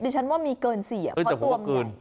ดิฉันว่ามีเกิน๔เพราะตัวเกิน